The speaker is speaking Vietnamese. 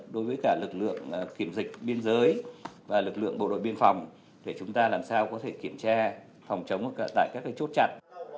đối với cả lực lượng kiểm dịch biên giới và lực lượng bộ đội biên phòng để chúng ta làm sao có thể kiểm tra phòng chống tại các chốt chặn